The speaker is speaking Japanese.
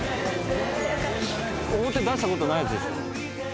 表出したことないやつでしょ。